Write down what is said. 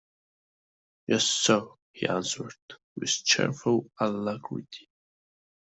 Yes, sir, he answered, with cheerful alacrity.